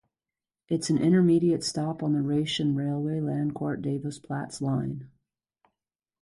It is an intermediate stop on the Rhaetian Railway Landquart–Davos Platz line.